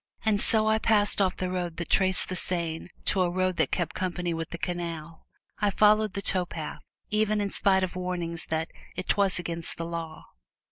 And so I passed off from the road that traced the Seine to a road that kept company with the canal. I followed the towpath, even in spite of warnings that 't was 'gainst the law.